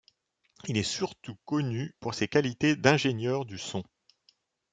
Il est surtout connu pour ses qualités d'ingénieur du son.